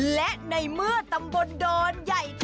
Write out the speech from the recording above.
และในเมื่อตำบลดอนใหญ่